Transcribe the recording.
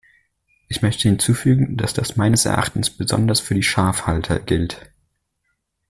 Ich möchte hinzufügen, dass das meines Erachtens besonders für die Schafhalter gilt.